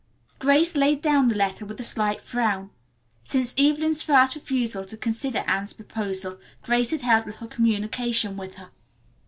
Grace laid down the letter with a slight frown. Since Evelyn's first refusal to consider Anne's proposal Grace had held little communication with her.